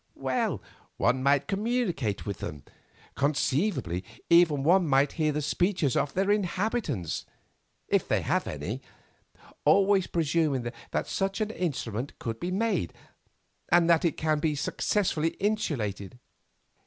"Well, one might communicate with them. Conceivably even one might hear the speech of their inhabitants, if they have any; always presuming that such an instrument could be made, and that it can be successfully insulated."